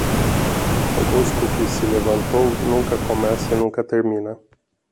O músico que se levantou, nunca começa e nunca termina.